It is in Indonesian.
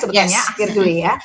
sebetulnya akhir juli ya